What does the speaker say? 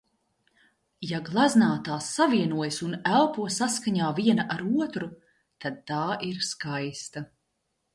Ja gleznā tās savienojas un elpo saskaņā viena ar otru, tad tā ir skaista.